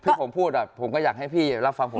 ประเด็นที่ผมพูดอ่ะผมก็อยากให้พี่รับฟังผมบ้างเหมือนกัน